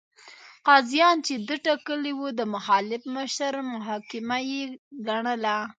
قاضیان چې ده ټاکلي وو، د مخالف مشر محاکمه یې ګڼله.